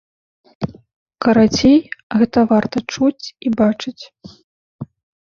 Карацей, гэта варта чуць і бачыць.